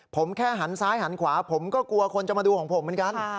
ผมแค่หันซ้ายหันขวาผมก็กลัวคนจะมาดูของผมเหมือนกัน